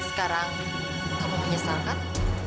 sekarang kamu bisa jelasin